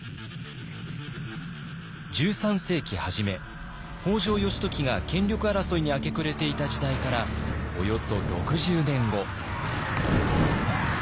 １３世紀初め北条義時が権力争いに明け暮れていた時代からおよそ６０年後。